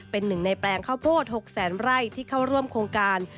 เป็นหนึ่งในแปลงข้าวโพด๖แสนไร่ที่เข้าร่วมโครงการ